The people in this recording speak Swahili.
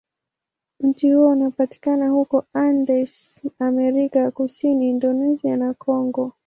Mti huo unapatikana huko Andes, Amerika ya Kusini, Indonesia, na Kongo.